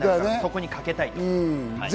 そこに懸けたいと。